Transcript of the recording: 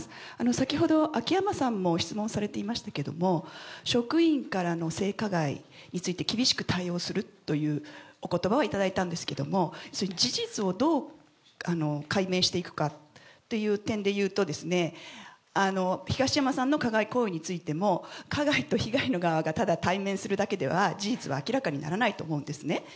先ほど、あきやまさんも質問されていましたけれども、職員からの性加害について、厳しく対応するというおことばはいただいたんですけれども、事実をどう解明していくかっていう点でいうとですね、東山さんの加害行為についても、加害と被害の側がただ対面するだけでは、事実は明らかにならないと思うんですね。